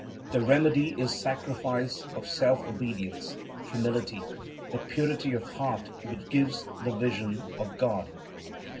The remedy is sacrifice of self, obedience, humility; that purity of heart which gives the vision of God.